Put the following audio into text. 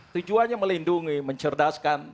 tujuannya melindungi mencerdaskan